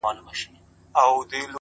که زر کلونه ژوند هم ولرمه!